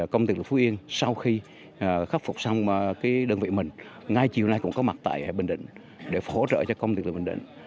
công ty lực phú yên sau khi khắc phục xong đơn vị mình ngay chiều nay cũng có mặt tại hệ bình định để phổ trợ cho công ty lực bình định